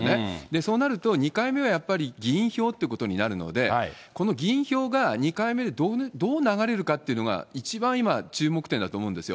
そうなると、２回目はやっぱり議員票ということになるので、この議員票が２回目でどう流れるかっていうのが一番今、注目点だと思うんですよ。